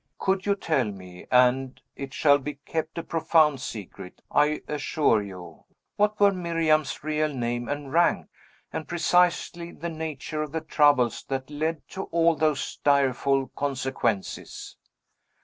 Could you tell me and it shall be kept a profound secret, I assure you what were Miriam's real name and rank, and precisely the nature of the troubles that led to all those direful consequences?"